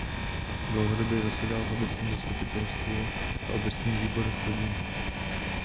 Dlouhodobě zasedal v obecním zastupitelstvu a obecním výboru Chrudimi.